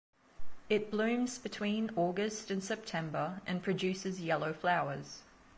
It blooms between August and September and produces yellow flowers.